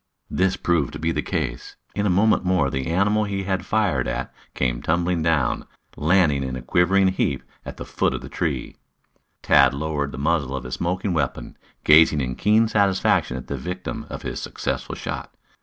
This proved to be the case. In a moment more the animal he had fired at came tumbling down, landing in a quivering heap at the foot of the tree. Tad lowered the muzzle of his smoking weapon, gazing in keen satisfaction at the victim of his successful shot.